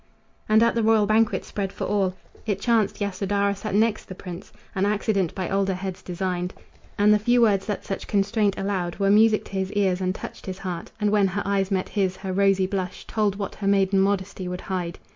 And at the royal banquet spread for all It chanced Yasodhara sat next the prince An accident by older heads designed And the few words that such constraint allowed Were music to his ears and touched his heart; And when her eyes met his her rosy blush Told what her maiden modesty would hide.